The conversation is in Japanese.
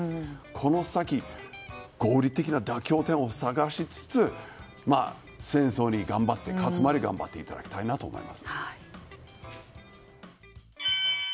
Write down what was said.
この先、合理的な妥協点を探しつつ、戦争に勝つまで頑張っていただきたいと思います。